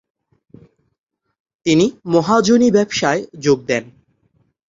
তিনি মহাজনি ব্যবসায় যোগ দেন।